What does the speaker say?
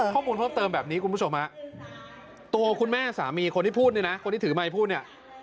ข้อมูลเพิ่มเติมแบบนี้คุณผู้ชมฮะตัวคุณแม่สามีคนที่พูดเนี่ยนะคนที่ถือไมค์พูดเนี่ย